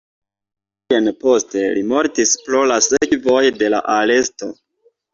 Du jarojn poste li mortis pro la sekvoj de la aresto.